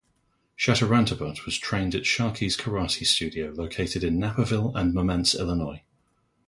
Chaturantabut was trained at Sharkey's Karate Studios located in Naperville and Momence, Illinois.